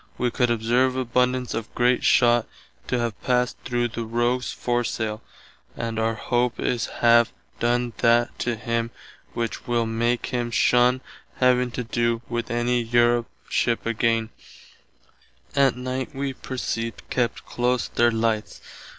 We could observe abundance of great shott to have passed through the rogues foresaile, and our hope is have done that to him which [will] make him shunn having to do with any Europe ship againe. Att night wee perceived kept close their lights.